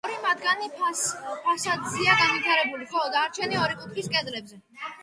ორი მათგანი ფასადზეა განთავსებული, ხოლო დანარჩენი ორი კუთხის კედლებზე.